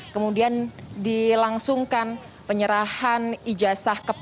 kemudian dilangsungkan penyerahan ijasah